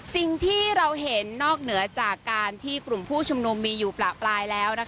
สิ่งที่เราเห็นนอกเหนือจากการที่กลุ่มผู้ชุมนุมมีอยู่ประปรายแล้ว